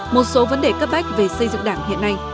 một số vấn đề cấp bách về xây dựng đảng hiện nay